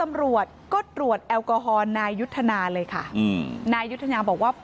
เมื่อเวลาอันดับ